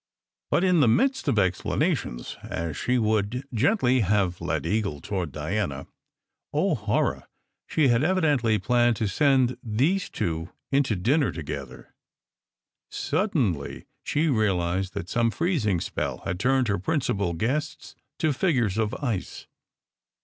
But in the midst of explanations, as she would gently have led Eagle toward Diana (oh, horror! she had evidently planned to send these two in to dinner together!), sud 274 SECRET HISTORY 275 denly she realized that some freezing spell had turned her principal guests to figures of ice.